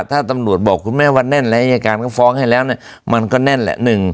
ถ้าตำรวจบอกคุณแม่ว่าแน่นแล้วอายการก็ฟ้องให้แล้วเนี่ยมันก็แน่นแหละ